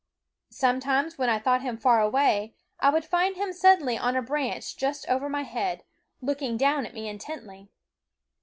Sometimes, when I thought him far away, I would find him suddenly on a branch just over my head, looking down at me intently.